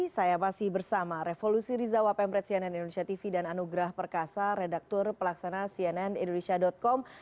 saya masih bersama revolusi rizawa pemret cnn indonesia tv dan anugrah perkasa redaktur pelaksana cnn indonesia com